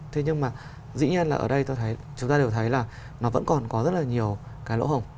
thế nhưng mà dĩ nhiên là ở đây chúng ta đều thấy là nó vẫn còn có rất là nhiều cái lỗ hổng